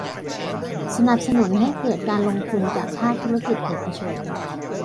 สนับสนุนให้เกิดการลงทุนจากภาคธุรกิจเอกชน